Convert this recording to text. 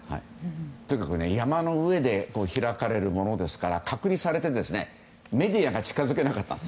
とにかく山の上で開かれるものですから隔離されて、メディアが近づけなかったんです。